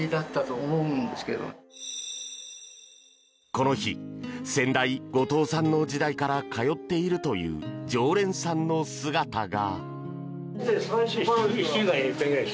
この日先代、後藤さんの時代から通っているという常連さんの姿が。